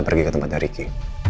pergi ke tempatnya ricky